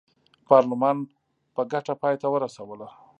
پارلمان په ګټه پای ته ورسوله.